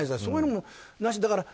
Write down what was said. そういうのもなしに。